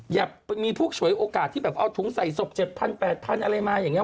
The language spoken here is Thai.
อย่ามีพวกฉวยโอกาสที่แบบเอาถุงใส่ศพ๗๐๐๘๐๐อะไรมาอย่างนี้